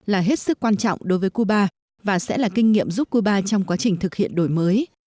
là hết sức quan trọng đối với cuba và sẽ là kinh nghiệm giúp cuba trong quá trình thực hiện đổi mới